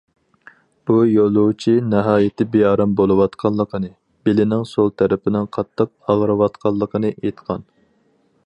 بۇ يولۇچى ناھايىتى بىئارام بولۇۋاتقانلىقىنى، بېلىنىڭ سول تەرىپىنىڭ قاتتىق ئاغرىۋاتقانلىقىنى ئېيتقان.